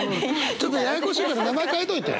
ちょっとややこしいから名前変えといて。